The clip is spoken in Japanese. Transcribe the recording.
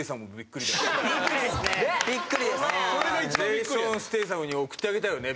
ジェイソン・ステイサムに送ってあげたいよね